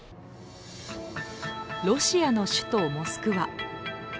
ロシアの首都モスクワ。